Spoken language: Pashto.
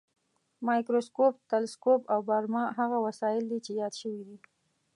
مایکروسکوپ، تلسکوپ او برمه هغه وسایل دي چې یاد شوي دي.